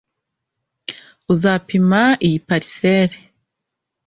Uzapima iyi parcelle